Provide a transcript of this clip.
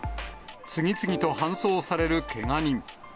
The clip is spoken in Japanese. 次々と搬送されるけが人。